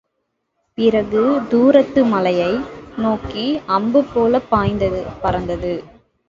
பிறகு தூரத்து மலையை நோக்கி அம்பு போலப் பாய்ந்து பறந்தது.